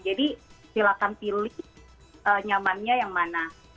jadi silakan pilih nyamannya yang mana